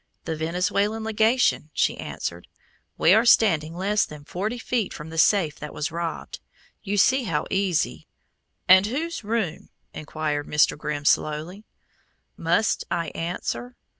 "The Venezuelan legation," she answered. "We are standing less than forty feet from the safe that was robbed. You see how easy !" "And whose room?" inquired Mr. Grimm slowly. "Must I answer?"